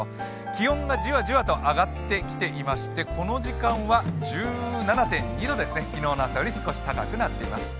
気温がじわじわと上がってきていましてこの時間は１７．２度ですね、昨日の朝より少し高くなっています。